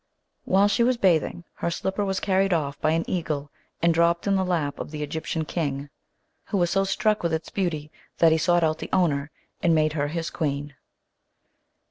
While she was bathing, her slipper was carried off by an eagle and dropped in the lap of the Egyptian king, who was so struck with its beauty that he sought out the owner and made her his queen.